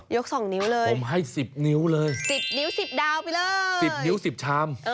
ยก๒นิ้วเลยสิบนิ้ว๑๐นิ้ว๑๐ดาวไปเลยสิบนิ้ว๑๐ชาม